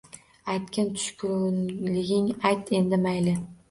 Aytgin tushkunliging, ayt endi, mayli.